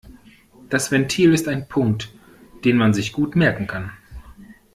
Das Ventil ist ein Punkt, den man sich gut merken kann.